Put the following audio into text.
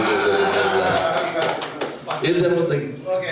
itu yang penting